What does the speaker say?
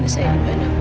saya dimana pak